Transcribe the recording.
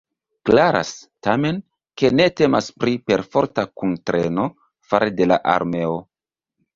Klaras, tamen, ke ne temas pri perforta kuntreno fare de la armeo.